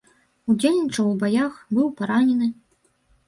Удзельнічаў у баях, быў паранены.